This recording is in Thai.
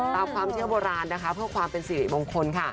ตามความเชื่อโบราณนะคะเพื่อความเป็นสิริมงคลค่ะ